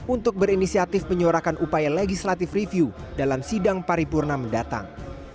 untuk berinisiatif menyuarakan upaya legislative review dalam sidang paripurna mendatang